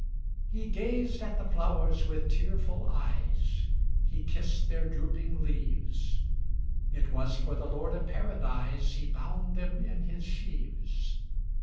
'' He gazed at the flowers with tearful eyes, He kissed their drooping leaves; It was for the Lord of Paradise He bound them in his sheaves.